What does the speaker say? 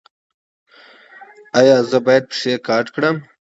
ایا زه باید پښې قات کړم؟